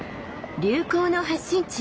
流行の発信地